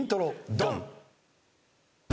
ドン！